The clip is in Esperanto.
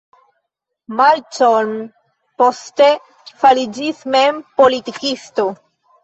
Malcolm poste fariĝis mem politikisto.